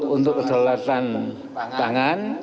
untuk keselelatan tangan